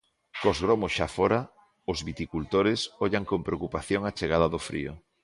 Cos gromos xa fóra, os viticultores ollan con preocupación a chegada do frío.